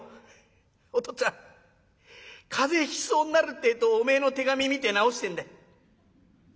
お父っつぁん風邪ひきそうになるってえとおめえの手紙見て治してんだ。